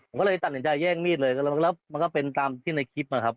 ผมก็เลยตัดสินใจแย่งมีดเลยแล้วมันก็เป็นตามที่ในคลิปนะครับ